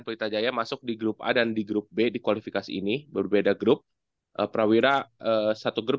pelita jaya masuk di grup a dan di grup b di kualifikasi ini berbeda grup prawira satu grup